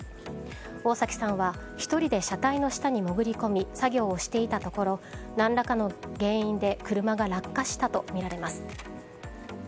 大崎さんは１人で車体の下に潜り込み作業をしていたところ何らかの原因で車が落下したとみられます。